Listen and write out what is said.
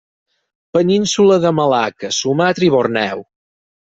Península de Malacca, Sumatra i Borneo.